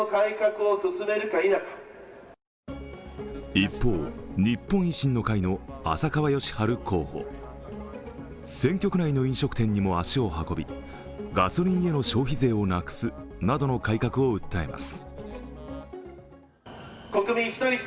一方、日本維新の会の浅川義治候補。選挙区内の飲食店にも足を運びガソリンへの消費税をなくすなどの改革を訴えます。